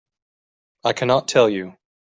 I cannot tell you.